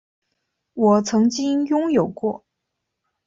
我曾经拥有过